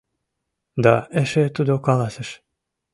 Да эше тудо каласыш: